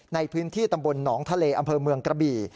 ในพื้นที่ตำบลหนองทะเลอำเภอเมืองกระบี่